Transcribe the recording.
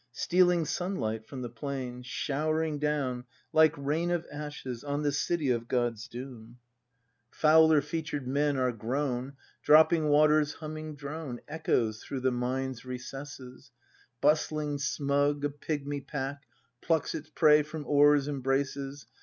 Stealing sunlight from the plain. Showering down like rain of ashes On the city of God's doom. — 288 BRAND [act v Fouler featured men are grown; — Dropping water's humming drone Echoes through the mine's recesses: Busthng, smug, a pigmy pack Plucks its prey from ore's embraces.